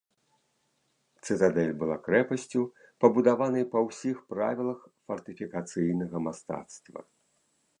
Цытадэль была крэпасцю, пабудаванай па ўсіх правілах фартыфікацыйнага мастацтва.